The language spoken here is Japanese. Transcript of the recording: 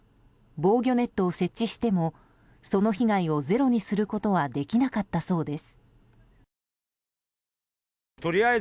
防御ネットを設置してもその被害をゼロにすることはできなかったそうです。